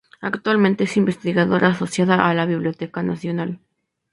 Actualmente es investigadora asociada a la Biblioteca Nacional.